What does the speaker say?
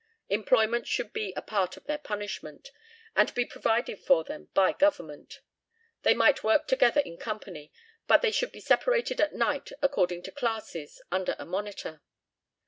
Employment should be a part of their punishment, and be provided for them by Government. They might work together in company, but should be separated at night according to classes, under a monitor.